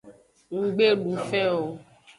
Nggbe du fen o.